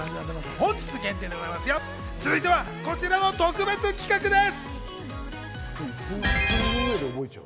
続いては、こちらの特別企画です。